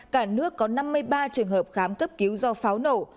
cả nước có năm mươi ba trường hợp khám cấp cứu do pháo nổ